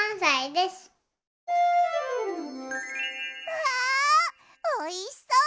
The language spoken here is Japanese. うわおいしそう！